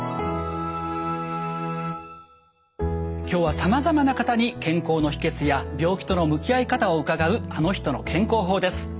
今日はさまざまな方に健康の秘けつや病気との向き合い方を伺う「あの人の健康法」です。